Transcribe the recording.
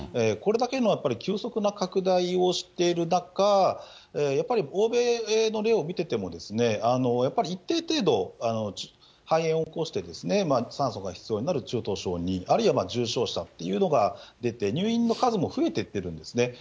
これだけのやっぱり急速な拡大をしてる中、やっぱり欧米の例を見ててもですね、やっぱり一定程度、肺炎を起こして酸素が必要になる中等症２、あるいは重症者というのが出て、入院の数も増えていってるんですね。